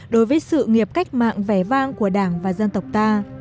đối với sự nghiệp cách mạng vẻ vang của đảng và dân tộc ta